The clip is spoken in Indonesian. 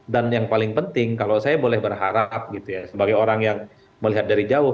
dan yang paling penting kalau saya boleh berharap sebagai orang yang melihat dari jauh